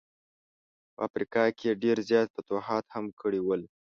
په افریقا کي یې ډېر زیات فتوحات هم کړي ول.